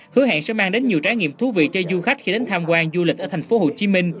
hứa hẹn sẽ mang đến nhiều trái nghiệm thú vị cho du khách khi đến tham quan du lịch ở tp hcm